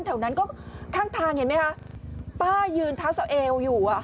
แถวนั้นก็ข้างทางเห็นไหมคะป้ายืนเท้าสะเอวอยู่อ่ะ